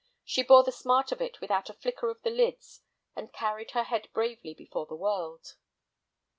She bore the smart of it without a flicker of the lids, and carried her head bravely before the world.